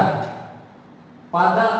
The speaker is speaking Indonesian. di sisi sebelah kiri